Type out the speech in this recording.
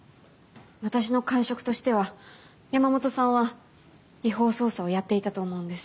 私の感触としては山本さんは違法捜査をやっていたと思うんです。